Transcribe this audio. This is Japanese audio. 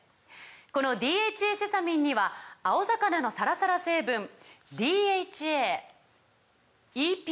この「ＤＨＡセサミン」には青魚のサラサラ成分ＤＨＡＥＰＡ